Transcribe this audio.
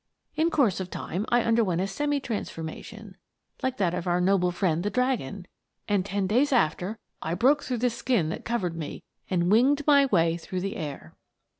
In course of time I underwent a semi transformation, like that of our noble friend the dragon, and ten days after I broke through the skin that covered me, and winged my way through the air."